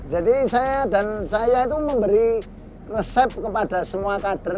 jadi saya dan saya itu memberi resep kepada semua kader